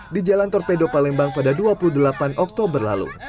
di jalan torpedo palembang pada dua puluh delapan oktober lalu